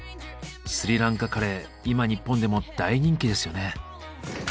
スリランカカレー今日本でも大人気ですよね。